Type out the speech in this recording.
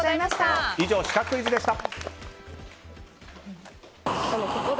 以上、シカクイズでした。